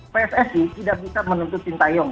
pssi tidak bisa menuntut sintayong